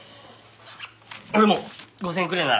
俺も５０００円くれえなら。